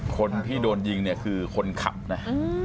คนที่โดนยิงเนี่ยคือคนขับนะ